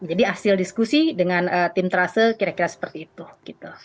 jadi hasil diskusi dengan tim trase kira kira seperti itu